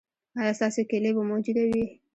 ایا ستاسو کیلي به موجوده وي؟